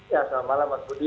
ya selamat malam mas budi